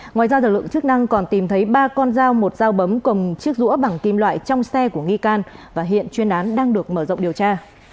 ngoài ra lực lượng chức năng còn tìm thấy ba con dao một dao bấm cầm chiếc rũa bằng kim loại trong xe của nghi can và hiện chuyên án đang được mở rộng điều tra